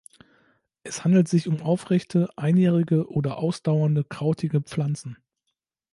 Es handelt sich um aufrechte, einjährige oder ausdauernde krautige Pflanzen.